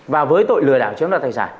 và với tội lừa đảo chiếm đoạt tài sản